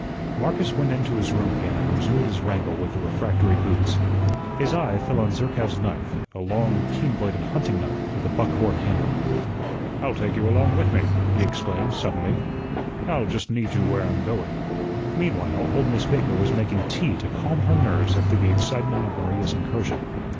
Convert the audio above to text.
Marcus went into his room again and resumed his wrangle with the refractory boots. His eye fell on Zerkow's knife, a long, keen bladed hunting knife, with a buckhorn handle. "I'll take you along with me," he exclaimed, suddenly. "I'll just need you where I'm going." Meanwhile, old Miss Baker was making tea to calm her nerves after the excitement of Maria's incursion.